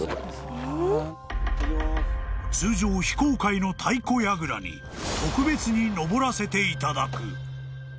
［通常非公開の太鼓櫓に特別に上らせていただく］